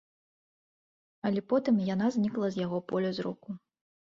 Але потым яна знікла з яго поля зроку.